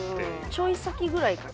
ちょい先ぐらいかな。